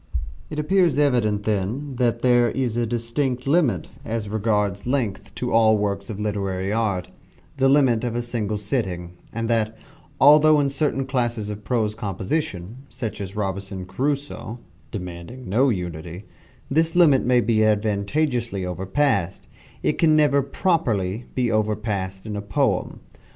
It appears evident, then, that there is a distinct limit, as regards length, to all works of literary art the limit of a single sitting and that, although in certain classes of prose composition, such as "Robinson Crusoe" (demanding no unity), this limit may be advantageously overpassed, it can never properly be overpassed in a poem.